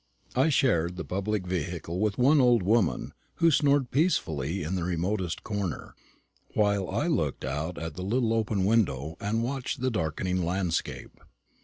I shared the public vehicle with one old woman, who snored peacefully in the remotest corner, while I looked out at the little open window and watched the darkening landscape.